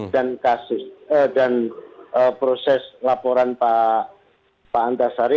dan proses laporan pak antarsari